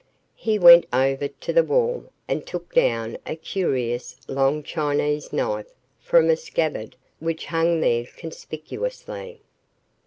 He went over to the wall and took down a curious long Chinese knife from a scabbard which hung there conspicuously.